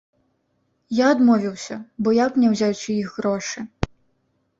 Я адмовіўся, бо як мне ўзяць у іх грошы?